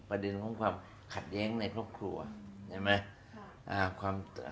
ประเด็นของความขัดแย้งในครอบครัวใช่ไหม